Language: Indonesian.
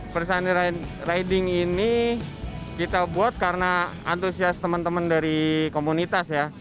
first sunday riding ini kita buat karena antusias teman teman dari komunitas